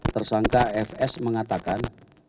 tersangka fs mengatakan